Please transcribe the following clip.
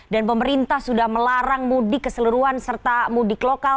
dan pemerintah sudah melarang mudik keseluruhan serta mudik lokal